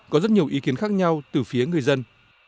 có rất nhiều ý kiến khác nhau từ phía người dân